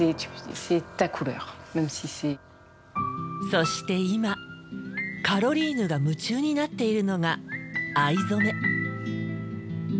そして今カロリーヌが夢中になっているのが藍染め。